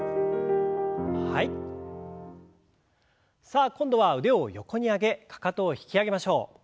さあ今度は腕を横に上げかかとを引き上げましょう。